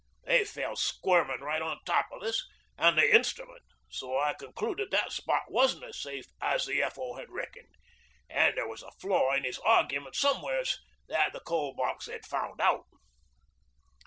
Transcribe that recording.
They fell squirmin' right on top o' us an' the instrument, so I concluded that spot wasn't as safe as the F.O. had reckoned, an' there was a flaw in 'is argument somewheres that the Coal Box 'ad found out.